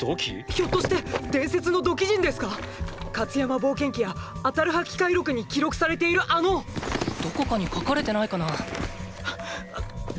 ひょっとして伝説の土器人ですか⁉カツヤマ冒険記やアタルハ奇界録に記録されているあの⁉どこかに書かれてないかな。